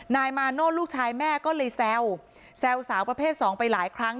นายมาโนธลูกชายแม่ก็เลยแซวแซวสาวประเภทสองไปหลายครั้ง